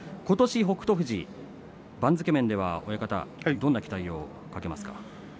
ことしの北勝富士、番付面ではどんな期待をかけますか。